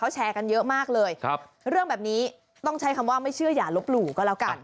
แชร์กันเยอะมากเลยครับเรื่องแบบนี้ต้องใช้คำว่าไม่เชื่ออย่าลบหลู่ก็แล้วกัน